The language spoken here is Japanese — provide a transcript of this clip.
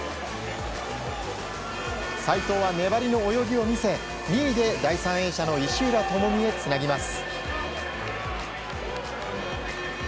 齋藤は粘りの泳ぎを見せ２位で第３泳者の石浦智美へつなぎます。